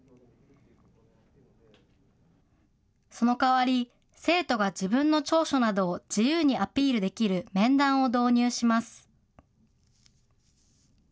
その代わり、生徒が自分の長所などを自由にアピールできる面談を導入します。